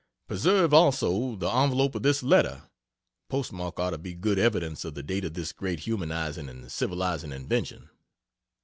Preserve, also, the envelope of this letter postmark ought to be good evidence of the date of this great humanizing and civilizing invention.